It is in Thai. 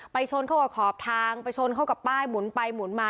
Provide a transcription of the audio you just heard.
ชนเข้ากับขอบทางไปชนเข้ากับป้ายหมุนไปหมุนมา